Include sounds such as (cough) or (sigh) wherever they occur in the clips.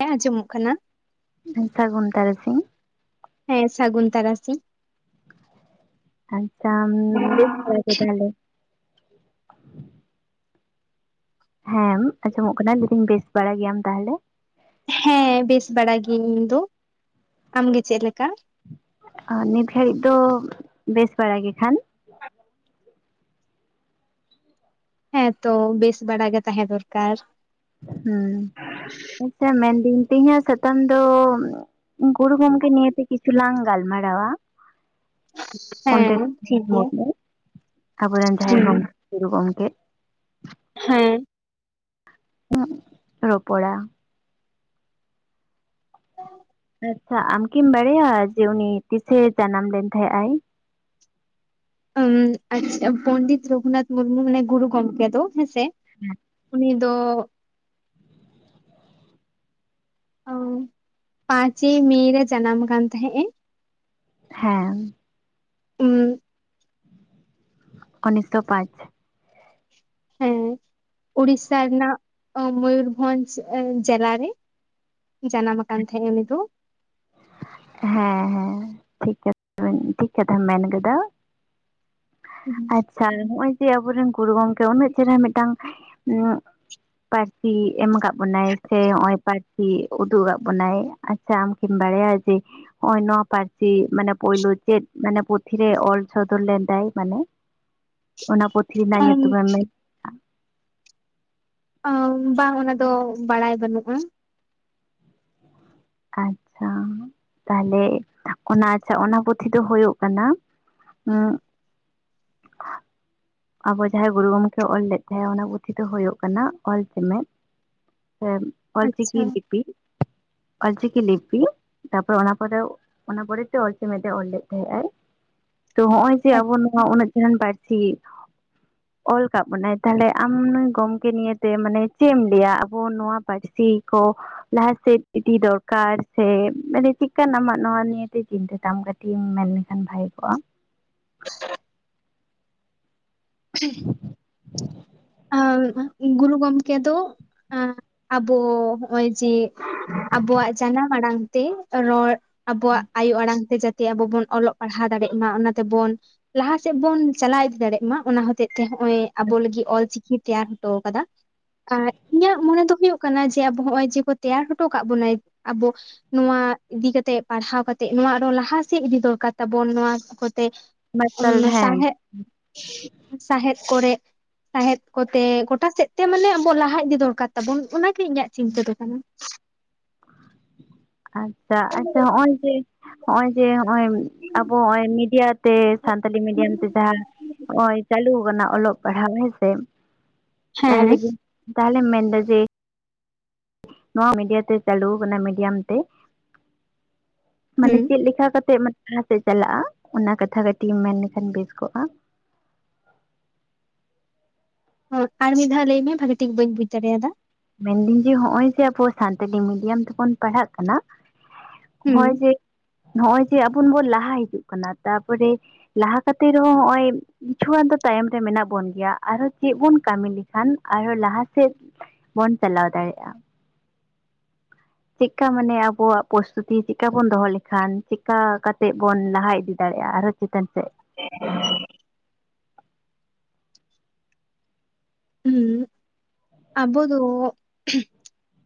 ᱦᱮᱸ, ᱟᱸᱡᱚᱢᱚᱜ ᱠᱟᱱᱟ ᱵᱷᱮᱱᱴᱟ ᱜᱷᱚᱱᱴᱟᱭ ᱥᱤᱧ, ᱦᱮᱸ, ᱥᱟᱹᱜᱩᱱ ᱛᱟᱨᱟᱥᱤ ᱟᱪᱪᱷᱟ, ᱵᱮᱥ ᱵᱮᱥ ᱵᱟᱲᱟ ᱜᱮ ᱛᱟᱦᱚᱞᱮ? ᱦᱮᱸ, ᱟᱸᱡᱚᱢᱚᱜ ᱠᱟᱱᱟ ᱞᱟᱹᱭ ᱫᱤᱧ ᱵᱮᱥ ᱵᱟᱲᱟ ᱜᱮᱭᱟᱢ ᱛᱟᱦᱚᱞᱮ? ᱦᱮᱸ, ᱵᱮᱥ ᱵᱟᱲᱟᱭ ᱜᱤᱭᱟᱹᱧ ᱤᱧ ᱫᱚ, ᱟᱢᱜᱮ ᱪᱮᱫ ᱞᱮᱠᱟ? ᱱᱤᱛ ᱜᱷᱟᱹᱲᱤᱡ ᱫᱚ ᱵᱮᱥ ᱵᱟᱲᱟ ᱜᱮ ᱠᱷᱟᱱ, ᱦᱮᱸ ᱛᱚ ᱵᱮᱥ ᱵᱟᱲᱟ ᱜᱮ ᱛᱟᱦᱮᱸ ᱫᱚᱨᱠᱟᱨ, ᱦᱮᱸ ᱟᱪᱪᱷᱟ ᱢᱮᱱᱫᱟᱹᱧ ᱛᱮᱦᱮᱧᱟᱜ ᱥᱟᱛᱟᱢ ᱫᱚ, ᱜᱩᱨᱩ ᱜᱚᱢᱠᱮ ᱱᱤᱭ ᱛᱮ ᱠᱤᱪᱩ ᱞᱟᱝ ᱜᱟᱞᱢᱟᱨᱟᱣᱟ, ᱦᱮᱸ ᱯᱚᱱᱰᱮᱛ ᱴᱷᱤᱠ ᱜᱮᱭᱟ ᱢᱩᱨᱢᱩ ᱟᱵᱚᱨᱮᱱ ᱡᱟᱦᱟᱸᱭ ᱦᱩᱸ ᱜᱚᱢᱠᱮ ᱜᱩᱨᱩ ᱜᱚᱢᱠᱮ, ᱦᱮᱸ, ᱨᱚᱯᱚᱲᱟ, (unintelligible) ᱟᱪᱪᱷᱟ, ᱟᱢᱠᱤᱢ ᱵᱟᱲᱟᱭᱟ ᱡᱮ ᱩᱱᱤ ᱛᱤᱥᱮ ᱡᱟᱱᱟᱢ ᱞᱮᱱ ᱛᱟᱦᱮᱸᱜ ᱟᱭ? ᱩᱸ ᱟᱪᱪᱷᱟ, ᱯᱚᱸᱱᱰᱤᱛ ᱨᱚᱜᱷᱩᱱᱟᱛᱷ ᱢᱩᱨᱢᱩ ᱢᱟᱱᱮ ᱜᱩᱨᱩ ᱜᱚᱢᱠᱮ ᱫᱚ ᱦᱮᱸᱥᱮ? ᱦᱮᱸ, ᱩᱱᱤ ᱫᱚ, ᱚ ᱯᱟᱸᱪᱮᱭ ᱢᱮ ᱨᱮ ᱡᱟᱱᱟᱢ ᱟᱠᱟᱱ ᱛᱟᱦᱮᱸᱜ ᱮ, ᱦᱮᱸ, ᱦᱩᱸ, ᱩᱱᱤᱥᱥᱚ ᱯᱟᱸᱪ, ᱦᱩᱸ, ᱩᱲᱤᱥᱥᱟ ᱨᱮᱱᱟᱜ ᱢᱩᱭᱩᱨᱵᱷᱚᱧᱡᱷ ᱡᱮᱞᱟᱨ ᱨᱮ ᱡᱟᱱᱟᱢ ᱟᱠᱟᱱ ᱛᱟᱦᱮᱫ ᱮ ᱩᱱᱤ ᱫᱚ, ᱦᱮᱸ ᱦᱮᱸ ᱴᱷᱤᱠ ᱠᱟᱛᱷᱟ ᱴᱷᱤᱠ ᱠᱟᱛᱷᱟᱢ ᱢᱮᱱ ᱟᱠᱟᱫᱟ ᱾ ᱦᱩᱸ, ᱟᱪᱪᱷᱟ ᱱᱚᱜ-ᱚᱭ ᱡᱮ ᱟᱵᱚᱨᱮᱱ ᱜᱩᱨᱩ ᱜᱚᱢᱠᱮ ᱩᱱᱟᱹᱜ ᱪᱮᱦᱨᱟ ᱢᱤᱫᱴᱟᱝ ᱯᱟᱹᱨᱥᱤ ᱮᱢ ᱟᱠᱟᱫ ᱵᱚᱱᱟᱭ ᱥᱮ ᱱᱚᱜ-ᱚᱭ ᱯᱟᱹᱨᱥᱤ ᱩᱫᱩᱜ ᱟᱠᱟᱫ ᱵᱚᱱᱟᱭ, ᱟᱪᱪᱷᱟ ᱟᱢᱠᱤᱢ ᱵᱟᱲᱟᱭᱟ? (unintelligible) ᱱᱚ-ᱜᱚᱭ ᱱᱚᱶᱟ ᱯᱟᱹᱨᱥᱤ ᱢᱟᱱᱮ ᱯᱳᱭᱞᱳ ᱪᱮᱫ ᱢᱟᱱᱮ ᱯᱩᱛᱷᱤ ᱨᱮ ᱚᱞ ᱥᱚᱫᱚᱨ ᱞᱮᱱ ᱛᱟᱭᱟᱭ ᱠᱟᱱᱮ? ᱚᱱᱟ ᱯᱩᱛᱷᱤ ᱨᱮᱱᱟᱜ ᱧᱩᱛᱩᱢᱮ ᱮᱢ ᱢᱮᱱ ᱵᱟᱝ ᱚᱱᱟ ᱫᱚ ᱵᱟᱲᱟᱭ ᱵᱟᱹᱱᱩᱜᱼᱟ, ᱟᱪᱪᱷᱟ ᱛᱟᱦᱚᱞᱮ ᱚᱱᱟ ᱟᱪᱪᱷᱟ ᱚᱱᱟ ᱯᱲᱛᱷᱤ ᱫᱚ ᱦᱳᱭᱳᱜ ᱠᱟᱱᱟ ᱦᱩᱸ, ᱟᱵᱚ ᱡᱟᱦᱟᱸᱭ ᱜᱩᱨᱩ ᱜᱚᱢᱠᱮ ᱚᱞ ᱛᱟᱦᱮᱸᱫ ᱚᱱᱟ ᱯᱩᱛᱷᱤ ᱦᱳᱭᱳᱜ ᱠᱟᱱᱟ ᱚᱞ ᱪᱮᱢᱮᱫ ᱾ ᱦᱮᱸ ᱚᱞᱪᱤᱠᱤ ᱟᱪᱪᱷᱟ ᱞᱤᱯᱤ, ᱚᱞᱪᱤᱠᱤ ᱞᱤᱯᱤ ᱛᱟᱯᱚᱨᱮ ᱚᱱᱟ ᱚᱱᱟ ᱯᱚᱨᱮ ᱛᱮ ᱚᱞ ᱪᱮᱢᱮᱫ ᱮ ᱚᱞ ᱞᱮᱫ ᱛᱟᱦᱮᱸᱜ ᱟᱭ ᱾ ᱛᱚ ᱦᱚᱜᱼᱚᱭ ᱡᱮ ᱟᱵᱚ ᱱᱚᱣᱟ ᱩᱱᱟᱹᱜ ᱪᱮᱨᱦᱟᱱ ᱯᱟᱹᱨᱥᱤ, ᱚᱞ ᱠᱟᱫ ᱵᱚᱱᱟᱭ ᱛᱟᱦᱞᱮ ᱟᱢ ᱱᱩᱭ ᱜᱚᱢᱠᱮ ᱱᱤᱭᱮᱛᱮ ᱢᱟᱱᱮ ᱪᱮᱫ ᱮᱢ ᱞᱟᱹᱭᱟ ᱟᱵᱚ ᱱᱚᱣᱟ ᱯᱟᱹᱨᱥᱤ ᱠᱚ᱾ ᱞᱟᱦᱟ ᱥᱮᱫ ᱤᱫᱤ ᱫᱚᱨᱠᱟᱨ ᱥᱮ ᱢᱟᱱᱮ ᱪᱮᱫ ᱠᱟᱱᱟᱜ ᱟᱢᱟᱜ ᱱᱚᱣᱟ ᱱᱤᱭᱟᱹᱛᱮ ᱪᱤᱱᱛᱟᱹ ᱛᱟᱢ᱾ ᱴᱤᱢ ᱢᱮᱱ ᱞᱮᱠᱷᱟᱱ ᱵᱷᱟᱜᱮ ᱠᱚᱜᱼᱟ᱾ (inaudible) (inaudible) ᱟ ᱜᱩᱨᱩ ᱜᱚᱢᱠᱮ ᱫᱚ ᱟᱸ (inaudible) ᱟᱵᱚ ᱱᱚᱜᱼᱚᱭ ᱡᱮ ᱟᱵᱚᱣᱟᱜ ᱡᱟᱱᱟᱢ ᱟᱲᱟᱝ ᱛᱮ ᱨᱚᱲ ᱟᱵᱚᱣᱟᱜ ᱟᱭᱳ ᱟᱲᱟᱝ ᱛᱮ ᱡᱟᱛᱮ ᱛᱮ ᱟᱵᱚ ᱵᱚᱱ ᱚᱞᱚᱜ ᱯᱟᱲᱦᱟᱣ ᱫᱟᱲᱮᱜ ᱢᱟ ᱚᱱᱟ ᱛᱮᱵᱚᱱ ᱞᱟᱦᱟ ᱥᱮᱫ ᱵᱚᱱ ᱪᱟᱞᱟᱣ ᱤᱫᱤ ᱫᱟᱲᱮᱜ ᱢᱟ ᱚᱱᱟ ᱦᱚᱛᱮ ᱛᱮ ᱛᱮ ᱱᱚᱜ ᱚᱭ ᱟᱵᱚ ᱞᱟᱹᱜᱤᱫ ᱚᱞᱪᱤᱠᱤ ᱛᱮᱭᱟᱨ ᱦᱚᱴᱚ ᱟᱠᱟᱫᱟ᱾ ᱟᱨ ᱤᱧᱟᱹᱜ ᱢᱚᱱᱮ ᱫᱚ ᱦᱩᱭᱩᱜ ᱠᱟᱱᱟ ᱡᱮ ᱟᱵᱚ ᱱᱚᱜ ᱚᱭ ᱡᱮᱠᱚ ᱛᱮᱭᱟᱨ ᱦᱚᱴᱚ ᱠᱟᱜ ᱵᱚᱱᱟᱭ ᱟᱵᱚ ᱱᱚᱣᱟ ᱤᱫᱤ ᱠᱟᱛᱮᱜ ᱯᱟᱲᱦᱟᱣ ᱠᱟᱛᱮᱜ ᱱᱚᱣᱟ ᱟᱨᱚ ᱞᱟᱦᱟᱟᱥᱮᱫ ᱤᱫᱤ ᱫᱚᱨᱠᱟᱨ ᱛᱟᱵᱚᱱ ᱱᱚᱣᱟ ᱠᱚᱛᱮ ᱢᱟᱨᱥᱟᱞ ᱦᱮᱸ ᱥᱟᱣᱦᱮᱫ ᱥᱟᱣᱦᱮᱫ ᱠᱚᱨᱮ ᱥᱟᱦᱮᱫ ᱠᱚᱛᱮ ᱜᱚᱴᱟ ᱥᱮᱫ ᱛᱮ ᱢᱟᱱᱮ ᱟᱵᱚ ᱞᱟᱦᱟ ᱤᱫᱤ ᱫᱚᱨᱠᱟᱨ ᱛᱟᱵᱚᱱ ᱚᱱᱟ ᱜᱮ ᱤᱧᱟᱹᱜ ᱪᱤᱱᱛᱟᱹ ᱫᱚ ᱠᱟᱱᱟ ᱟᱪᱪᱷᱟ ᱟᱪᱪᱷᱟ ᱦᱚᱜᱼᱚᱭ ᱡᱮ ᱱᱚᱜᱼᱚᱭ ᱡᱮ ᱱᱚᱜᱼᱚᱭ ᱟᱵᱚ ᱱᱚᱜᱼᱚᱭ ᱢᱤᱰᱤᱭᱟ ᱛᱮ ᱥᱟᱱᱛᱟᱞᱤ ᱢᱤᱰᱤᱭᱟᱢ ᱛᱮ ᱡᱟᱦᱟᱸ ᱱᱚᱜᱚᱭ ᱪᱟᱹᱞᱩ ᱟᱠᱟᱱᱟ ᱚᱞᱚᱜ ᱯᱟᱲᱦᱟᱣ ᱦᱮᱸᱥᱮ᱾ ᱦᱮᱸ ᱛᱟᱦᱚᱞᱮ ᱛᱟᱦᱚᱞᱮᱢ ᱢᱮᱱᱮᱫᱟ ᱡᱮ ᱱᱚᱣᱟ ᱢᱤᱰᱤᱭᱟ ᱛᱮ ᱪᱟᱞᱩ ᱟᱠᱟᱱᱟ ᱢᱤᱰᱤᱭᱟᱢ ᱛᱮ᱾ ᱢᱟᱱᱮ ᱦᱩᱸ ᱪᱮᱫ ᱞᱮᱠᱟ ᱠᱟᱛᱮᱜ ᱞᱟᱦᱥ ᱥᱮᱫ ᱪᱟᱞᱟᱜᱼᱟ ᱚᱱᱟ ᱠᱟᱛᱷᱟ ᱠᱟᱹᱴᱤᱡ ᱮᱢ ᱢᱮᱱ ᱞᱮᱠᱷᱟᱱ ᱵᱮᱥ ᱠᱚᱜᱼᱟ᱾ ᱦᱳ ᱟᱨ ᱢᱤᱫ ᱫᱷᱟᱣ ᱞᱟᱹᱭ ᱢᱮ ᱵᱷᱟᱜᱤ ᱴᱷᱤᱠ ᱵᱟᱹᱧ ᱵᱩᱡ ᱫᱟᱲᱮᱭᱟᱫᱟ᱾ ᱢᱮᱱᱫᱟᱹᱧ ᱡᱮ ᱱᱚᱜ ᱚᱭ ᱡᱮ ᱟᱵᱚ ᱥᱟᱱᱛᱟᱞᱤ ᱢᱤᱰᱤᱭᱟᱢ ᱛᱮᱵᱚᱱ ᱯᱟᱲᱦᱟᱜ ᱠᱟᱱᱟ ᱦᱩᱸ ᱦᱚᱜᱼᱚᱭ ᱡᱮ ᱱᱚᱜᱼᱚᱭ ᱡᱮ ᱵᱚᱱ ᱞᱟᱦᱟ ᱦᱤᱡᱩᱜ ᱠᱟᱱᱟ, ᱛᱟᱯᱚᱨᱮ ᱞᱟᱦᱟ ᱠᱟᱛᱮᱜ ᱨᱮᱦᱚᱸ ᱱᱚᱜ-ᱚᱭ ᱠᱤᱪᱷᱩᱜᱟᱱ ᱫᱚ ᱛᱟᱭᱚᱢ ᱨᱮ ᱢᱮᱱᱟᱜ ᱵᱚᱱ ᱜᱮᱭᱟ ᱟᱨᱦᱚ ᱪᱮᱫ ᱵᱚᱱ ᱠᱟᱹᱢᱤ ᱞᱮᱠᱷᱟᱱ ᱟᱨᱦᱚ ᱞᱟᱦᱟ ᱥᱮᱫ ᱵᱚᱱ ᱪᱟᱞᱟᱣ ᱫᱟᱲᱮᱭᱟᱜᱟ᱾ ᱪᱮᱫᱠᱟ ᱢᱟᱱᱮ ᱟᱵᱚᱣᱟᱜ ᱯᱨᱚᱥᱛᱩᱛᱤ ᱪᱮᱫᱠᱟ ᱵᱚᱱ ᱫᱚᱦᱚ ᱞᱮᱠᱷᱟᱱ ᱪᱮᱫᱠᱟ ᱠᱟᱛᱮ ᱵᱚᱱ ᱞᱟᱦᱟ ᱤᱫᱤ ᱫᱟᱲᱮᱭᱟᱜᱼᱟ ᱟᱨᱦᱚ ᱪᱤᱠᱟᱱᱛ ᱥᱮᱫ᱾ (inaudible) ᱦᱩ ᱟᱵᱚ ᱫᱚ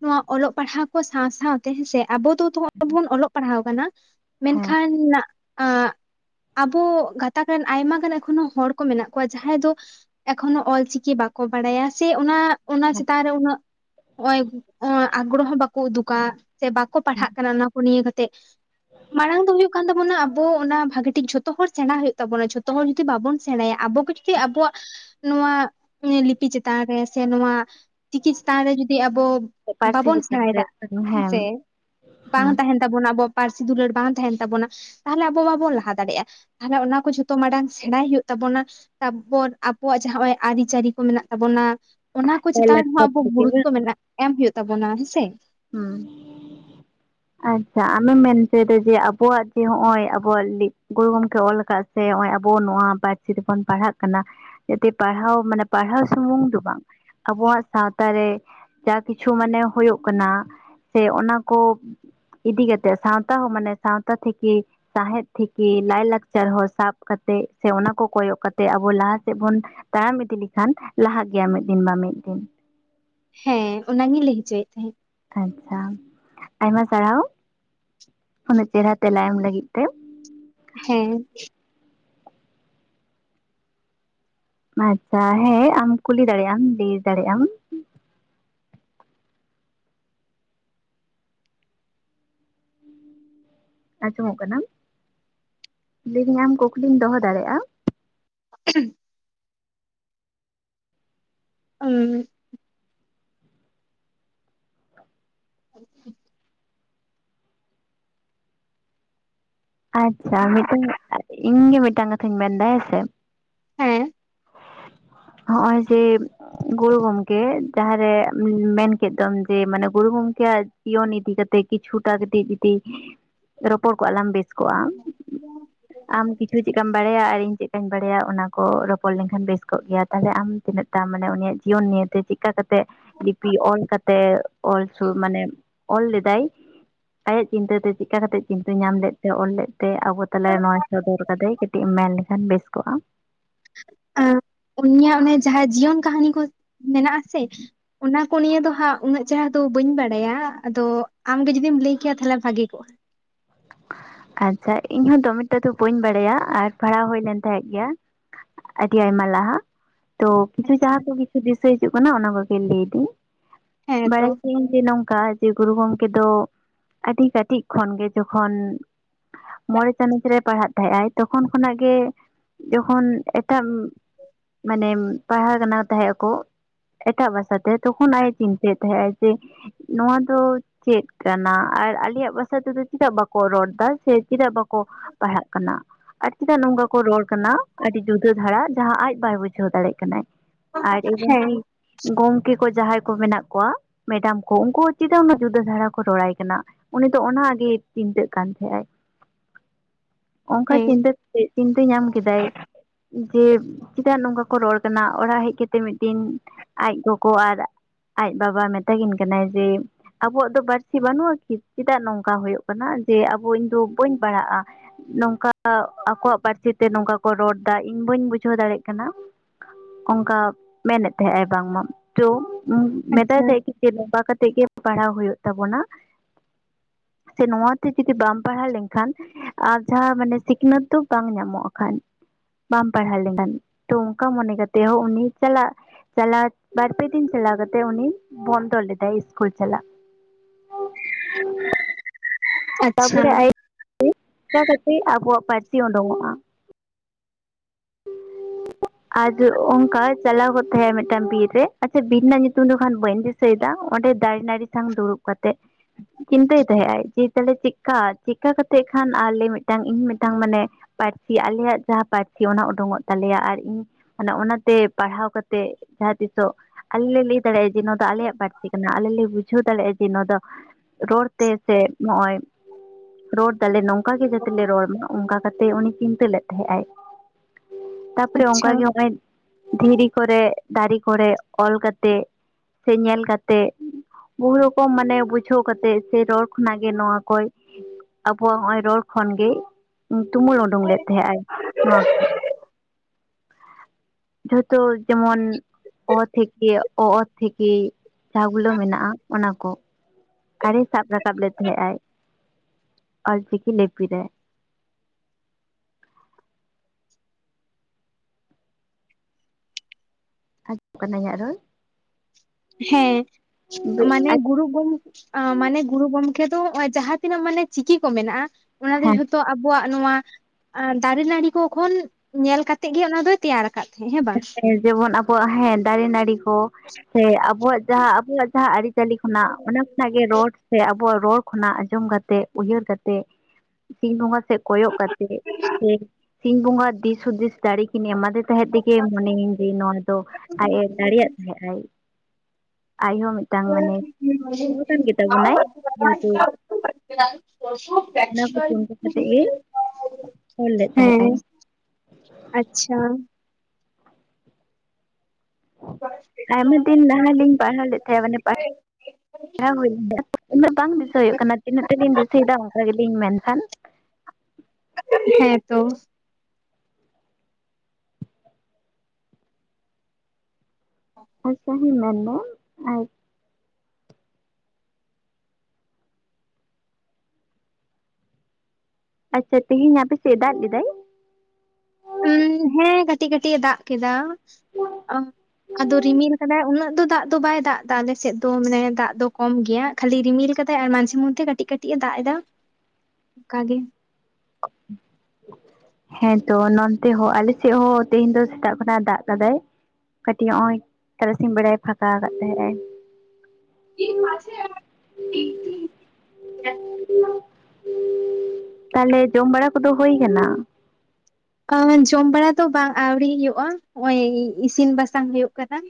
ᱱᱚᱣᱟ ᱚᱞᱚᱜ ᱯᱟᱲᱦᱟᱣ ᱠᱚ ᱥᱟᱶ ᱥᱟᱶ ᱦᱮᱸᱥᱮ ᱟᱵᱚ ᱫᱚᱵᱚᱱ ᱚᱞᱚᱜ ᱯᱟᱲᱦᱟᱣ ᱠᱟᱱᱟ ᱦᱮᱸ ᱢᱮᱱᱠᱷᱟᱱ ᱟᱵᱚ ᱜᱟᱛᱟᱠ ᱨᱮᱱ ᱟᱭᱢᱟ ᱜᱟᱱ ᱮᱠᱷᱚᱱᱳ ᱦᱚᱲ ᱠᱚ ᱢᱮᱱᱟᱜ ᱠᱚᱣᱟ ᱡᱟᱸᱦᱟᱸᱭ ᱫᱚ ᱮᱠᱷᱚᱱᱳ ᱚᱞᱪᱤᱠᱤ ᱵᱟᱠᱚ ᱵᱟᱲᱟᱭᱟ ᱥᱮ ᱚᱱᱟ ᱚᱱᱟ ᱪᱮᱛᱟᱱ ᱨᱮ ᱩᱱᱟᱹᱜ ᱱᱚᱜ-ᱚᱭ (inaudible) ᱟᱜᱽᱨᱚᱦᱚ ᱵᱟᱠᱚ ᱩᱫᱩᱜᱟ ᱾ ᱥᱮ ᱵᱟᱠᱚ ᱯᱟᱲᱦᱟᱜ ᱠᱟᱱᱟ ᱱᱚᱣᱟ ᱠᱚ ᱱᱤᱭᱟᱹ ᱠᱟᱛᱮᱜ᱾ ᱢᱟᱲᱟᱝ ᱫᱚ ᱦᱩᱭᱩᱜ ᱠᱟᱱ ᱛᱟᱵᱚᱱᱟ ᱟᱵᱚ ᱚᱱᱟ ᱢᱟᱲᱟᱝ ᱫᱚ ᱦᱩᱭᱩᱜ ᱠᱟᱱ ᱛᱟᱵᱚᱱᱟ ᱟᱵᱚ ᱚᱱᱟ ᱵᱷᱟᱜᱤ ᱴᱷᱤᱠ ᱡᱷᱚᱛᱚ ᱦᱚᱲ ᱥᱮᱬᱟ ᱦᱚ ᱦᱩᱭᱩᱜ ᱛᱟᱵᱚᱱᱟ ᱡᱷᱚᱛᱚ ᱦᱚᱲ ᱡᱩᱫᱤ ᱵᱟᱵᱚᱱ ᱥᱮᱬᱟᱭᱟ ᱟᱵᱚ ᱡᱮ ᱟᱵᱚᱣᱟᱜ ᱱᱚᱣᱟ ᱞᱤᱯᱤ ᱪᱮᱛᱟᱱ ᱨᱮ ᱥᱮ ᱱᱚᱣᱟ ᱪᱤᱠᱤ ᱪᱮᱛᱟᱱ ᱨᱮ ᱡᱩᱫᱤ ᱟᱵᱚ ᱯᱟᱹᱨᱥᱤ ᱵᱟᱵᱚᱱ ᱪᱮᱛᱟᱱ ᱨᱮ ᱥᱮᱬᱟᱭᱮᱫᱟ ᱦᱮᱸ ᱦᱮᱸ ᱦᱮᱥᱮ ᱵᱟᱝ ᱛᱟᱦᱮᱱ ᱛᱟᱵᱚᱱᱟ ᱟᱵᱚᱣᱟᱜ ᱯᱟᱹᱨᱥᱤ ᱫᱩᱞᱟᱹᱲ ᱵᱟᱝ ᱛᱟᱦᱮᱱ ᱛᱟᱵᱚᱱᱟ ᱛᱟᱦᱚᱞᱮ ᱟᱵᱚ ᱵᱟᱵᱚᱱ ᱞᱟᱦᱟ ᱫᱟᱲᱮᱭᱟᱜᱼᱟ᱾ ᱛᱟᱦᱚᱞᱮ ᱚᱱᱟ ᱠᱚ ᱡᱷᱚᱛᱚ ᱢᱟᱲᱟᱝ ᱥᱮᱬᱟᱭ ᱦᱩᱭᱩᱜ ᱛᱟᱵᱚᱱᱟ, ᱛᱟᱯᱚᱨ ᱟᱵᱚᱣᱟᱜ ᱡᱟᱸᱦᱟᱸ ᱱᱚᱸᱜ ᱚᱭ ᱟᱹᱨᱤᱪᱟᱞᱤ ᱾ ᱢᱮᱱᱟᱜ ᱛᱟᱵᱚᱱᱟ, ᱚᱱᱟ ᱠᱚ ᱪᱮᱛᱟᱱ ᱨᱮᱦᱚᱸ ᱞᱟᱠᱪᱟᱨ ᱟᱵᱚ ᱛᱷᱮᱠᱮ ᱜᱩᱨᱩᱛᱛᱚ ᱵᱟᱝ ᱢᱮᱱᱟᱜ ᱮᱢ ᱦᱩᱭᱩᱜ ᱛᱟᱵᱚᱱᱟ ᱦᱮᱸ ᱥᱮ ᱾ ᱦᱮᱸ ᱾ ᱟᱪᱪᱷᱟ ᱟᱢᱮᱢ ᱢᱮᱱ ᱦᱚᱪᱚᱭᱮᱫᱟ ᱡᱮ ᱟᱵᱚᱣᱟᱜ ᱡᱮ ᱱᱚᱜ ᱚᱭ ᱟᱵᱚᱣᱟᱜ ᱜᱩᱨᱩ ᱜᱚᱝᱠᱮ ᱚᱞ ᱟᱠᱟᱫ ᱥᱮ ᱱᱚᱜᱼᱚᱭ ᱟᱵᱚ ᱱᱚᱣᱟ ᱯᱟᱹᱨᱥᱤ ᱛᱮᱵᱚᱱ ᱯᱟᱲᱦᱟᱜ ᱠᱟᱱᱟ᱾ ᱡᱟᱛᱮ ᱯᱟᱲᱦᱟᱣ, ᱢᱟᱱᱮ ᱯᱟᱲᱦᱟᱣ ᱥᱩᱢᱩᱝ ᱫᱚ ᱵᱟᱝ᱾ ᱟᱵᱚᱣᱟᱜ ᱥᱟᱶᱛᱟ ᱨᱮ ᱡᱟ ᱠᱤᱪᱷᱩ ᱢᱟᱱᱮ ᱦᱩᱭᱩᱜ ᱠᱟᱱᱟ ᱥᱮ ᱚᱱᱟ ᱠᱚ ᱤᱫᱤ ᱠᱟᱛᱮᱫ ᱥᱟᱶᱛᱟ ᱦᱚᱸ ᱢᱟᱱᱮ ᱥᱟᱶᱛᱟ ᱛᱷᱮᱠᱮ ᱥᱟᱶᱦᱮᱫ ᱛᱷᱤᱠᱨ ᱞᱟᱭᱞᱟᱠᱪᱟᱨ ᱦᱚ ᱥᱟᱵ ᱠᱟᱛᱮᱜ ᱥᱮ ᱚᱱᱟ ᱠᱚ ᱠᱚᱭᱚᱜ ᱠᱟᱛᱮ ᱟᱵᱚ ᱞᱟᱦᱟ ᱥᱮᱫ ᱵᱚᱱ ᱛᱟᱲᱟᱢ ᱤᱫᱤ ᱞᱮᱠᱷᱟᱱ ᱞᱟᱦᱟᱜ ᱜᱮᱭᱟ ᱢᱤᱫ ᱫᱤᱱ ᱵᱟᱝ ᱢᱤᱫ ᱫᱤᱱ᱾ ᱦᱮᱸ ᱚᱱᱟᱜᱤᱧ ᱞᱟᱹᱭ ᱦᱚᱪᱚᱭᱮᱫ ᱛᱟᱦᱮᱸᱫ᱾ ᱟᱪᱪᱷᱟ ᱟᱭᱢᱟ ᱥᱟᱨᱦᱟᱣ ᱩᱱᱟᱹᱜ ᱪᱮᱨᱦᱨᱟ ᱛᱮᱞᱟ ᱮᱢ ᱞᱟᱹᱜᱤᱫ ᱛᱮ᱾ ᱦᱮᱸ᱾ ᱟᱪᱪᱷᱟ ᱦᱮᱸ ᱟᱢ ᱠᱩᱞᱤ ᱫᱟᱲᱮ ᱟᱢ, ᱞᱟᱹᱭ ᱫᱟᱲᱮ ᱟᱢ᱾ ᱟᱸᱡᱚᱢᱚᱜ ᱠᱟᱱᱟᱢ ᱞᱟᱹᱭᱫᱤᱧ ᱟᱢ ᱠᱩᱠᱞᱤᱢ ᱫᱚᱦᱚ ᱫᱟᱲᱮᱜᱼᱟ᱾ (inaudible) ᱩᱸᱜ᱾ (inaudible) ᱟᱪᱪᱷᱟ ᱟᱨ ᱢᱤᱫᱴᱟᱝ ᱤᱧ ᱜᱮ ᱢᱤᱫᱴᱟᱝ ᱠᱟᱛᱷᱟᱧ ᱢᱮᱱᱫᱟ ᱦᱮᱸᱥᱮ᱾ ᱦᱮᱸ ᱦᱚᱸᱜ-ᱚᱭ ᱡᱮ ᱜᱩᱨᱩ ᱜᱚᱝᱠᱮ ᱡᱟᱦᱟᱸᱨᱮ ᱢᱮᱱ ᱠᱮᱫ ᱫᱚᱢ ᱡᱮ ᱢᱟᱱᱮ ᱜᱩᱨᱩ ᱜᱚᱝᱠᱮᱭᱟᱜ ᱡᱤᱣᱟᱱ ᱤᱫᱤ ᱠᱟᱛᱮ, ᱠᱤᱪᱷᱩᱴᱟ ᱠᱟᱴᱤᱡ ᱡᱩᱫᱤ ᱨᱚᱯᱚᱲ ᱠᱚᱜ-ᱟ ᱞᱟᱝ ᱵᱮᱥ ᱠᱚᱜ-ᱟᱢ ᱠᱤᱪᱷᱩ ᱪᱮᱫᱠᱟᱢ ᱵᱟᱲᱟᱭᱟ ᱟᱨ ᱤᱧ ᱪᱮᱫᱠᱟᱧ ᱵᱟᱲᱟᱭᱟ ᱚᱱᱟ ᱠᱚ ᱨᱚᱯᱚᱲ ᱞᱮᱱᱠᱷᱟᱱ ᱵᱮᱥ ᱠᱚᱜ ᱜᱮᱭᱟ ᱛᱟᱞᱦᱮ ᱟᱢ ᱛᱤᱱᱟᱹᱜᱴᱟ ᱢᱟᱱᱮ ᱩᱱᱤᱭᱟᱜ ᱡᱤᱭᱚᱱ ᱱᱤᱭᱮᱛᱮ ᱪᱮᱫ ᱞᱮᱠᱟ ᱠᱟᱛᱮ ᱛᱮᱜ᱾ ᱞᱤᱯᱤ ᱚᱞ ᱠᱟᱛᱮ, ᱚᱞ ᱥᱩᱨ ᱢᱟᱱᱮ ᱚᱞ ᱞᱮᱫᱟᱭ᱾ ᱟᱭᱟᱜ ᱪᱤᱱᱛᱟᱹ ᱛᱮ ᱪᱮᱫ ᱞᱮᱠᱟ ᱠᱟᱛᱮ ᱪᱤᱱᱛᱟᱹ ᱧᱟᱢ ᱞᱮᱫ ᱛᱮ ᱚᱞ ᱞᱮᱫ ᱛᱮ ᱟᱵᱚ ᱛᱟᱦᱚᱞᱮ ᱱᱚᱣᱟ ᱥᱚᱫᱚᱨ ᱠᱟᱫᱟᱭ ᱠᱟᱹᱴᱤᱡ ᱮᱢ ᱢᱮᱱ ᱞᱮᱠᱷᱟᱱ ᱵᱮᱥ ᱠᱚᱜᱼᱟ᱾ ᱮᱸ ᱩᱱᱤᱭᱟᱜ ᱚᱱᱮ ᱡᱟᱦᱟᱸ ᱡᱤᱭᱚᱱ ᱠᱟᱹᱦᱱᱤ ᱠᱚ ᱢᱮᱱᱟᱜ ᱟᱥᱮ ᱚᱱᱟ ᱠᱚ ᱱᱤᱭᱟᱹ ᱫᱚ ᱦᱟᱸᱜ ᱩᱱᱟᱹᱜ ᱪᱮᱦᱨᱟ ᱫᱚ ᱵᱟᱹᱧ ᱵᱟᱲᱟᱭᱟ, ᱟᱫᱚ ᱟᱢ ᱜᱮ ᱡᱩᱫᱤᱢ ᱞᱟᱹᱭ ᱠᱮᱭᱟ ᱛᱟᱦᱚᱞᱮ ᱵᱷᱟᱜᱤ ᱠᱚᱜᱼᱟ᱾ ᱟᱪᱪᱷᱟ ᱤᱧᱦᱚ ᱫᱚᱢᱮ ᱴᱟ ᱫᱚ ᱵᱟᱹᱧ ᱵᱟᱲᱟᱭᱟ ᱟᱨ ᱯᱟᱲᱦᱟᱣ ᱦᱳᱭ ᱞᱮᱱ ᱛᱟᱦᱮᱸᱫ ᱜᱮᱭᱟ᱾ ᱟᱹᱰᱤᱫ ᱟᱭᱢᱟ ᱞᱟᱦᱟ᱾ ᱛᱚ ᱠᱤᱪᱷᱩ ᱟᱪᱪᱷᱟ ᱡᱟᱦᱟᱸ ᱠᱚ ᱠᱤᱪᱷᱩ ᱫᱤᱥᱟᱹ ᱦᱤᱡᱩᱜ ᱠᱟᱱᱟ ᱚᱱᱟ ᱠᱚᱜᱮ ᱞᱟᱹᱭᱫᱟᱹᱧ ᱦᱮᱸ ᱛᱚ ᱵᱟᱲᱟᱭ ᱛᱟᱦᱮ ᱤᱧ ᱡᱮ ᱱᱚᱝᱠᱟᱮ ᱡᱮ ᱜᱩᱨᱩ ᱜᱚᱢᱠᱮ ᱫᱚ ᱟᱹᱰᱤ ᱠᱟᱴᱤᱡ ᱠᱷᱚᱱ ᱜᱮ ᱡᱚᱠᱷᱚᱱ ᱢᱚᱬᱮ ᱪᱟᱱᱟᱪ ᱨᱮ ᱯᱟᱲᱦᱟᱜ ᱛᱟᱦᱮᱸᱫ ᱟᱭ ᱛᱚᱠᱷᱚᱱ ᱠᱷᱚᱱᱟᱜ ᱜᱮ ᱡᱚᱠᱷᱚᱱ ᱮᱴᱟᱜ ᱢᱟᱱᱮᱢ ᱯᱟᱲᱦᱟᱣᱮ ᱠᱟᱱᱟ ᱛᱟᱦᱮᱸ ᱟᱠᱚ ᱮᱴᱟᱜ ᱵᱷᱟᱥᱟᱛᱮ ᱛᱚᱠᱷᱚᱱ ᱟᱡ ᱮ ᱪᱤᱱᱛᱟᱹᱭᱮᱫ ᱛᱟᱦᱮᱸᱜ ᱟᱭ ᱡᱮ ᱱᱚᱣᱟ ᱫᱚ ᱪᱮᱫ ᱠᱟᱱᱟ ᱟᱨ ᱟᱞᱮᱭᱟᱜ ᱵᱷᱟᱥᱟ ᱛᱮᱫᱚ ᱪᱮᱫᱟᱜ ᱵᱟᱠᱚ ᱨᱚᱲᱫᱟ ᱥᱮ ᱪᱮᱫᱟᱜ ᱵᱟᱠᱚ ᱯᱟᱲᱦᱟᱜ ᱠᱟᱱᱟ᱾ ᱟᱨ ᱪᱮᱫᱟᱜ ᱱᱚᱝᱠᱟ ᱠᱚ ᱨᱚᱲ ᱠᱟᱱᱟ ᱟᱹᱰᱤ ᱡᱩᱫᱟᱹ ᱫᱷᱟᱨᱟ ᱡᱟᱦᱟᱸ ᱟᱡ ᱵᱟᱭ ᱵᱩᱡᱷᱟᱹᱣ ᱫᱟᱲᱮᱜ ᱠᱟᱱᱟᱭ᱾ ᱟᱨ ᱮᱢᱚᱝ ᱦᱮᱸ ᱠᱤ ᱜᱚᱝᱠᱮ ᱠᱚ ᱡᱟᱦᱟᱸᱭ ᱠᱚ ᱢᱮᱱᱟᱜ ᱠᱚᱣᱟ ᱢᱮᱰᱟᱢ ᱠᱚ ᱩᱱᱠᱩ ᱦᱚ ᱪᱮᱫᱟᱜ ᱩᱱᱟᱹᱜ ᱡᱩᱫᱟᱹ ᱫᱷᱟᱨᱟ ᱠᱚ ᱨᱚᱲᱟᱭ ᱠᱟᱱᱟ ᱩᱱᱤ ᱫᱚ ᱟᱱᱟ ᱟᱹᱰᱤ ᱪᱤᱱᱛᱟᱹᱜ ᱠᱟᱱ ᱛᱟᱦᱮᱸ-ᱟᱭ ᱚᱝᱠᱟ ᱦᱮᱸ ᱪᱤᱱᱛᱟᱹ ᱠᱟᱛᱮ ᱪᱤᱱᱛᱟᱹ ᱠᱮᱫᱟᱭ ᱡᱮ ᱪᱮᱫᱟᱜ ᱱᱚᱝᱠᱟ ᱠᱚ ᱨᱚᱲ ᱠᱟᱱᱟ᱾ ᱚᱲᱟᱜ ᱦᱮᱡ ᱠᱟᱛᱮ ᱢᱤᱫ ᱫᱤᱱ ᱟᱡ ᱜᱚᱜᱚ ᱟᱨ ᱟᱡ ᱵᱟᱵᱟ ᱢᱮᱛᱟᱠᱤᱱ ᱠᱟᱱᱟᱭ ᱡᱮ ᱟᱵᱚᱣᱟᱜ ᱫᱚ ᱯᱟᱹᱨᱥᱤ ᱵᱟᱹᱱᱩᱜᱼᱟ ᱠᱤ ᱪᱮᱫᱟᱜ ᱱᱚᱝᱠᱟ ᱦᱩᱭᱩᱜ ᱠᱟᱱᱟ ᱟᱨ ᱡᱮ ᱟᱵᱚ ᱤᱧ ᱫᱚ ᱵᱟᱹᱧ ᱯᱟᱲᱦᱟᱜ-ᱟ᱾ ᱱᱚᱝᱠᱟ ᱟᱠᱚᱣᱟᱜ ᱯᱟᱹᱨᱥᱤ ᱛᱮ ᱱᱚᱝᱠᱟ ᱠᱚ ᱨᱚᱲᱫᱟ᱾ ᱤᱧ ᱵᱟᱹᱧ ᱵᱩᱡᱷᱟᱹᱣ ᱫᱟᱲᱮᱜ ᱠᱟᱱᱟ᱾ ᱚᱱᱠᱟ ᱢᱮᱱᱮᱫ ᱛᱟᱦᱮᱸᱜ-ᱟᱭ ᱵᱟᱝ ᱢᱟ᱾ ᱛᱚ ᱢᱮᱛᱟᱭ ᱟᱪᱪᱷᱟ ᱛᱟᱦᱮᱸᱫᱠᱤᱱ ᱡᱮ ᱱᱚᱝᱠᱟ ᱠᱟᱛᱮᱫ ᱜᱮ ᱯᱟᱲᱦᱟᱣ ᱦᱩᱭᱩᱜ ᱛᱟᱵᱚᱱᱟ᱾ ᱥᱮ ᱱᱚᱣᱟᱛᱮ ᱡᱩᱫᱤ ᱵᱟᱢ ᱯᱟᱲᱦᱟᱣ ᱞᱮᱱᱠᱷᱟᱱ ᱟᱨ ᱡᱟᱦᱟᱸ ᱢᱟᱱᱮ ᱥᱤᱠᱷᱱᱟᱹᱛ ᱫᱚ ᱵᱟᱝ ᱧᱟᱢᱚᱜ ᱠᱷᱟᱱ᱾ ᱵᱟᱢ ᱯᱟᱲᱦᱟᱣ ᱞᱮᱱᱟᱭ ᱛᱚ ᱚᱱᱠᱟ ᱢᱚᱱᱮ ᱠᱟᱛᱮᱫ ᱦᱚᱸ ᱩᱱᱤ ᱥᱟᱞᱟᱜ ᱪᱟᱞᱟᱣ, ᱵᱟᱨᱯᱮ ᱫᱤᱱ ᱪᱟᱞᱟᱣ ᱠᱟᱛᱮᱜ ᱩᱱᱤ ᱵᱚᱱᱫᱚ ᱞᱮᱫᱟᱭ ᱤᱥᱠᱩᱞ ᱪᱟᱞᱟᱜ᱾ ᱟᱪᱪᱷᱟ ᱛᱟᱯᱚᱨᱮ ᱟᱭ (unintelligible) ᱪᱮᱠᱟ ᱠᱟᱛᱮ ᱟᱵᱚᱣᱟᱜ ᱯᱟᱹᱨᱥᱤ ᱩᱰᱩᱝᱚᱜᱼᱟ᱾ (unintelligible) ᱟᱫᱚ ᱚᱱᱠᱟ ᱪᱟᱞᱟᱣ ᱠᱟᱛᱮ ᱦᱮᱸ ᱢᱤᱫᱴᱟᱝ ᱵᱤᱨ ᱨᱮ ᱟᱪᱪᱷᱟ ᱵᱤᱨ ᱨᱮᱱᱟᱜ ᱧᱩᱛᱩᱢ ᱫᱚ ᱠᱷᱟᱱ ᱵᱟᱹᱧ ᱫᱤᱥ ᱥᱟᱹᱭᱮᱫᱟ ᱚᱸᱰᱮ ᱫᱟᱨᱮ ᱱᱟᱹᱲᱤ ᱥᱟᱶ ᱫᱩᱲᱩᱵ ᱠᱟᱛᱮ ᱪᱤᱱᱛᱟᱹᱭ ᱛᱟᱦᱮᱸᱫ ᱟᱭ ᱡᱮ ᱛᱟᱦᱚᱞᱮ ᱪᱮᱫᱠᱟ ᱪᱮᱫᱠᱟ ᱠᱟᱛᱮᱜ ᱠᱷᱟᱱ ᱟᱞᱮ ᱢᱤᱫᱴᱟᱝ ᱤᱧ ᱢᱤᱫᱴᱟᱝ ᱢᱟᱱᱮ ᱯᱟᱹᱨᱥᱤ ᱟᱞᱮᱭᱟᱜ ᱡᱟᱦᱟᱸ ᱯᱟᱹᱨᱥᱤ ᱥᱮ ᱚᱱᱟ ᱩᱰᱩᱠᱚᱜ ᱛᱟᱞᱮᱭᱟ ᱟᱨ ᱤᱧ ᱚᱱᱟ ᱚᱱᱟᱛᱮ ᱯᱟᱲᱦᱟᱣ ᱠᱟᱛᱮᱫ ᱡᱟᱦᱟᱸ ᱛᱤᱥᱚᱜ ᱟᱞᱮ ᱞᱮ ᱞᱟᱹᱭ ᱫᱟᱲᱮᱭᱟᱜᱼᱟ ᱡᱮ ᱱᱚᱣᱟ ᱫᱚ ᱟᱞᱮᱭᱟᱜ ᱯᱟᱹᱨᱥᱤ ᱠᱟᱱᱟ᱾ ᱟᱞᱮ ᱞᱮ ᱵᱩᱡᱷᱟᱹᱣ ᱫᱟᱲᱮᱭᱟᱜᱼᱟ ᱡᱮ ᱱᱚᱣᱟ ᱫᱚ ᱨᱚᱲ ᱛᱮ ᱥᱮ ᱱᱚᱜᱼᱚᱭ ᱨᱚᱲ ᱫᱟᱞᱮ ᱱᱚᱝᱠᱟ ᱜᱮ ᱡᱟᱛᱮ ᱞᱮ ᱨᱚᱲ ᱢᱟ ᱚᱱᱠᱟ ᱠᱟᱛᱮᱜ ᱩᱱᱤ ᱪᱤᱱᱛᱟᱹ ᱞᱮᱫ ᱛᱟᱦᱮᱸᱜ ᱟᱭ᱾ ᱛᱟᱯᱚᱨᱮ ᱚᱱᱠᱟ ᱟᱪᱪᱷᱟ ᱜᱮ ᱱᱚᱜᱼᱚᱭ ᱫᱷᱤᱨᱤ ᱠᱚᱨᱮ ᱫᱟᱨᱮ ᱠᱚᱨᱮ ᱚᱞ ᱠᱟᱛᱮᱜ ᱥᱮ ᱧᱮᱞ ᱠᱟᱛᱮᱜ ᱵᱚᱦᱩ ᱨᱚᱠᱚᱢ ᱢᱟᱱᱮ ᱵᱩᱡᱷᱟᱹᱣ ᱠᱟᱛᱮᱜ ᱥᱮ ᱨᱚᱲ ᱠᱷᱚᱱᱟᱜ ᱜᱮ ᱱᱚᱣᱟ ᱠᱚᱭ ᱟᱵᱚᱣᱟᱜ ᱱᱚᱜᱼᱚᱭ ᱨᱚᱲ ᱠᱷᱚᱱᱜᱮ ᱛᱩᱢᱟᱹᱞ ᱩᱰᱩᱠ ᱞᱮᱫ ᱛᱟᱦᱮᱸᱜ ᱟᱭ ᱱᱚᱣᱟ ᱠᱚ᱾ ᱡᱷᱚᱛᱚ ᱡᱮᱢᱚᱱ ᱚ ᱛᱷᱮᱠᱮ ᱚ, ᱛ ᱛᱷᱮᱠᱮ ᱡᱟᱦᱟ ᱜᱩᱞᱳ ᱢᱮᱱᱟᱜᱼᱟ ᱚᱱᱟ ᱠᱚ᱾ ᱟᱨᱮ ᱥᱟᱵ ᱨᱟᱠᱟᱵ ᱞᱮᱫ ᱛᱟᱦᱮᱸᱜ ᱟᱭ ᱚᱞ ᱪᱤᱠᱤ ᱞᱤᱯᱤ ᱨᱮ᱾ (unintelligible) ᱠᱟᱱᱟᱭᱟᱜ ᱨᱚᱲ ᱦᱮᱸ ᱢᱟᱱᱮ ᱜᱩᱨᱩ ᱜᱚᱢ ᱢᱟᱱᱮ ᱜᱩᱨᱩ ᱜᱚᱢᱠᱮ ᱫᱚ ᱱᱚᱜᱚᱭ ᱡᱟᱦᱟᱸ ᱛᱤᱱᱟᱹᱜ ᱢᱟᱱᱮ ᱪᱤᱠᱤ ᱠᱚ ᱢᱮᱱᱟᱜᱼᱟ ᱚᱱᱟᱫᱚ ᱦᱮᱸ ᱡᱷᱚᱛᱚ ᱛᱚ ᱟᱵᱚᱣᱟᱜ ᱱᱚᱶᱟ ᱫᱟᱨᱮ ᱱᱟᱹᱲᱤ ᱠᱚ ᱠᱷᱚᱱ ᱧᱮᱞ ᱠᱟᱛᱮᱜ ᱜᱮ ᱚᱱᱟ ᱫᱚᱭ ᱛᱮᱭᱟᱨ ᱟᱠᱟᱫ ᱛᱟᱦᱮᱸᱜ ᱦᱮᱸ ᱵᱟᱝ? ᱡᱮᱢᱚᱱ ᱟᱵᱚᱣᱟᱜ ᱦᱮᱸ ᱫᱟᱨᱮ ᱱᱟᱹᱲᱤ ᱠᱚ ᱥᱮ ᱟᱵᱚᱣᱟᱜ ᱡᱟᱦᱟᱸ ᱟᱵᱚᱣᱟᱜ ᱡᱟᱦᱟᱸ ᱟᱹᱨᱤ ᱪᱟᱹᱞᱤ ᱠᱷᱚᱱᱟᱜ ᱚᱱᱟ ᱚᱱᱟᱜᱮ ᱨᱚᱲ ᱥᱮ ᱟᱵᱚᱣᱟᱜ ᱨᱚᱲ ᱠᱷᱚᱱᱟᱜ ᱟᱸᱡᱚᱢ ᱠᱟᱛᱮᱜ ᱩᱭᱦᱟᱹᱨ ᱠᱟᱛᱮᱜ ᱥᱤᱧ ᱵᱚᱸᱜᱟ ᱥᱮ ᱠᱚᱭᱚᱜ ᱠᱟᱛᱮᱜ ᱥᱮ ᱥᱤᱧ ᱵᱚᱸᱜᱟ ᱫᱤᱥ ᱦᱩᱫᱤᱥ ᱫᱟᱲᱮ ᱠᱤᱱ ᱮᱢᱟᱫᱮ ᱛᱟᱦᱮᱸᱫ ᱢᱚᱱᱮᱭᱤᱧ ᱡᱮ ᱱᱚᱣᱟ ᱫᱚ ᱟᱡ ᱮ ᱫᱟᱲᱮᱭᱟᱜ ᱛᱟᱦᱮᱸᱫ ᱟᱭ᱾ ᱟᱡ ᱦᱚᱸ ᱢᱤᱫᱴᱟᱝ ᱢᱟᱱᱮ (unintelligible) ᱜᱮᱛᱟ ᱵᱚᱱᱟᱭ ᱡᱮᱦᱮᱛᱩ ᱚᱱᱟ ᱠᱚ ᱠᱩᱱᱴᱟᱹ ᱠᱟᱛᱮᱜ ᱜᱮ ᱚᱞ ᱞᱮᱫ ᱛᱟᱦᱮᱸᱜ-ᱟᱭ᱾ ᱦᱮᱸ ᱟᱪᱪᱷᱟ᱾ ᱟᱭᱢᱟ ᱫᱤᱱ ᱞᱟᱦᱟ ᱞᱤᱧ ᱯᱟᱲᱦᱟᱣ ᱞᱮᱫ ᱛᱟᱦᱮᱸ ᱢᱟᱱᱮ ᱯᱟᱲᱦᱟᱣ ᱦᱩᱭ ᱞᱮᱱᱟ ᱩᱱᱟᱹᱜ ᱵᱟᱝ ᱫᱤᱥᱟᱹ ᱦᱩᱭᱩᱜ ᱠᱟᱱᱟ ᱛᱤᱱᱟᱹᱜ ᱛᱤᱱᱟᱜ ᱴᱟ ᱞᱤᱧ ᱫᱤᱥᱟᱹᱭᱮᱫᱟ ᱚᱱᱠᱟ ᱜᱮᱞᱤᱧ ᱢᱮᱱᱠᱷᱟᱱ ᱦᱮᱸ ᱛᱚ᱾ ᱚᱻ ᱟᱪᱪᱷᱟ ᱦᱮᱸ (unintelligible) ᱟᱨ ᱟᱪᱪᱷᱟ ᱛᱮᱦᱮᱧ ᱟᱯᱮ ᱥᱮᱫ ᱫᱟᱜ ᱞᱤᱫᱟᱭ? ᱩᱸᱢ ᱦᱮᱸ ᱠᱟᱹᱴᱤᱡ ᱠᱟᱹᱴᱤᱡ ᱮ ᱫᱟᱜ ᱠᱤᱫᱟ ᱾ ᱚᱻ ᱟᱫᱚ ᱨᱤᱢᱤᱞ ᱠᱟᱫᱟᱭ ᱩᱱᱟᱹᱜ ᱫᱚ ᱫᱟᱜ ᱛᱚ ᱵᱟᱭ ᱫᱟᱜ ᱫᱟ ᱟᱞᱮᱥᱮᱫ ᱫᱚ ᱢᱟᱱᱮ ᱫᱟᱜ ᱫᱚ ᱠᱚᱢ ᱜᱮᱭᱟ ᱠᱷᱟᱹᱞᱤ ᱨᱤᱢᱤᱞ ᱠᱟᱫᱟᱭ ᱟᱨ ᱢᱟᱡᱷᱮ ᱢᱚᱫᱷᱮ ᱠᱟᱹᱴᱤᱡ ᱠᱟᱹᱴᱤᱡ ᱮ ᱫᱟᱜ ᱮᱫᱟ ᱾ (inaudible) ᱚᱱᱠᱟᱜᱮ ᱾ (inaudible) ᱦᱮᱸᱛᱚ ᱱᱚᱱᱛᱮ ᱦᱚᱸ ᱟᱞᱮ ᱥᱮᱫ ᱦᱚᱸ ᱛᱮᱦᱮᱧ ᱫᱚ ᱥᱮᱛᱟᱜ ᱠᱷᱚᱱᱟᱜ ᱫᱟᱜ ᱠᱟᱫᱟᱭ ᱾ ᱠᱟᱹᱴᱤ ᱚᱭ ᱛᱟᱨᱟᱥᱤᱧ ᱵᱟᱲᱟᱭ ᱯᱷᱟᱠᱟ ᱠᱟᱜ ᱛᱟᱦᱮᱸᱡ ᱮ ᱾ ᱴᱷᱤᱠ ᱟᱪᱷᱮ ᱾ ᱛᱟᱞᱮ ᱡᱚᱢ ᱵᱟᱲᱟ ᱠᱚᱫᱚ ᱦᱳᱭ ᱠᱟᱱᱟ? ᱟᱹ ᱡᱚᱢ ᱵᱟᱲᱟ ᱫᱚ ᱵᱟᱝ ᱟᱣᱨᱤ ᱦᱩᱭᱩᱜᱼᱟ, ᱚᱭ ᱤᱥᱤᱱ ᱵᱟᱥᱟᱝ ᱦᱩᱭᱩᱜ ᱠᱟᱱᱟ ᱾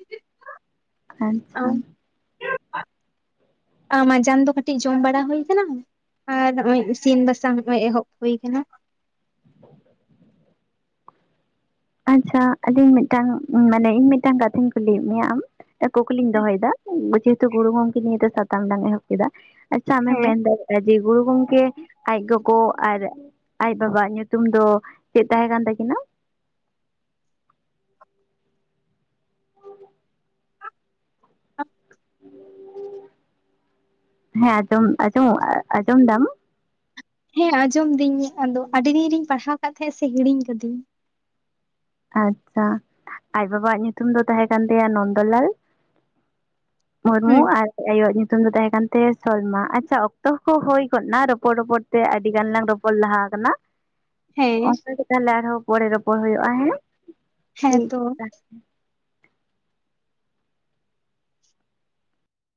ᱟᱪᱪᱷᱟ ᱾ ᱟ ᱢᱟᱡᱟᱱ ᱫᱚ ᱠᱟᱹᱴᱤᱡ ᱡᱚᱢ ᱵᱟᱲᱟ ᱦᱩᱭ ᱠᱟᱱᱟ ᱟᱨ ᱱᱚᱜᱼᱚᱭ ᱤᱥᱤᱱ ᱵᱟᱥᱟᱝ ᱦᱚᱜᱼᱚᱭ ᱮᱦᱚᱵ ᱦᱩᱭ ᱠᱟᱱᱟ ᱾ ᱟᱪᱪᱷᱟ ᱟᱹᱞᱤᱧ ᱢᱤᱫᱴᱟᱝ ᱢᱟᱱᱮ ᱤᱧ ᱢᱤᱫᱴᱟᱝ ᱠᱟᱛᱷᱟᱧ ᱠᱩᱞᱤᱭᱮᱫ ᱢᱮᱭᱟ ᱟᱢ ᱠᱩᱠᱞᱤᱧ ᱫᱚᱦᱚᱭᱫᱟ ᱡᱮᱦᱮᱛᱩ ᱜᱩᱨᱩ ᱜᱚᱝᱠᱮ ᱱᱤᱭᱮ ᱥᱟᱛᱟᱢ ᱞᱟᱝ ᱮᱦᱚᱵ ᱠᱮᱫᱟ ᱟᱪᱪᱷᱟ ᱟᱢ ᱦᱮᱸ᱾ ᱢᱮᱱ ᱫᱟᱲᱮᱜ ᱮ ᱡᱮ ᱜᱩᱨᱩ ᱜᱚᱝᱠᱮ ᱟᱡ ᱜᱚᱜᱚ ᱟᱨ ᱟᱡ ᱵᱟᱵᱟᱣᱟᱜ ᱧᱩᱛᱩᱢ ᱫᱚ ᱪᱮᱫ ᱛᱟᱦᱮᱸ ᱠᱟᱱ ᱛᱟᱹᱠᱤᱱᱟ ᱾ ᱦᱮᱸ ᱟᱸᱡᱚᱢ ᱟᱸᱡᱚᱢ ᱟᱸᱡᱚᱢ ᱮᱫᱟᱢ ᱾ ᱦᱮᱸ ᱟᱸᱡᱚᱢ ᱫᱤᱧ ᱟᱫᱚ ᱟᱹᱰᱤ ᱫᱤᱱ ᱨᱤᱧ ᱯᱟᱲᱦᱟᱣ ᱠᱟᱫ ᱛᱟᱦᱮᱸᱜ ᱥᱮ ᱦᱤᱲᱤᱧ ᱠᱟᱫᱤᱧ ᱾ ᱟᱪᱪᱷᱟ ᱟᱡ ᱵᱟᱵᱟᱣᱟᱜ ᱧᱩᱛᱩᱢ ᱫᱚ ᱛᱟᱦᱮᱸ ᱠᱟᱱ ᱛᱟᱭᱟ ᱱᱚᱱᱫᱚᱞᱟᱞ ᱢᱩᱨᱢᱩ ᱦᱩᱸ ᱟᱨ ᱟᱭᱳᱣᱟᱜ ᱧᱩᱛᱩᱢ ᱫᱚ ᱛᱟᱦᱮᱸ ᱠᱟᱱᱛᱮ ᱥᱚᱞᱢᱟ ᱾ ᱟᱪᱪᱷᱟ ᱚᱠᱛᱚ ᱦᱚ ᱦᱩᱭ ᱜᱚᱫᱱᱟ ᱨᱚᱯᱚᱲ ᱨᱚᱯᱚᱲ ᱛᱮ ᱟᱹᱰᱤ ᱜᱟᱱ ᱞᱟᱝ ᱨᱚᱯᱚᱲ ᱞᱟᱦᱟ ᱠᱟᱱᱟ ᱦᱮᱸ ᱚᱱᱠᱟ ᱜᱮ ᱛᱟᱞᱦᱮ ᱟᱨᱦᱚᱸ ᱯᱚᱲᱮ ᱨᱚᱯᱚᱲ ᱦᱩᱭᱩᱜᱼᱟ ᱦᱮᱸ? ᱦᱮᱸ ᱴᱷᱤᱠ ᱛᱚ ᱟᱪᱷᱟ ᱾